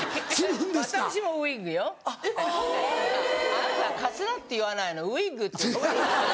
あなたカツラって言わないのウィッグって言うの。